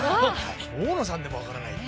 大野さんでも分からないって。